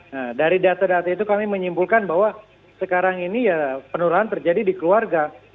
nah dari data data itu kami menyimpulkan bahwa sekarang ini ya penularan terjadi di keluarga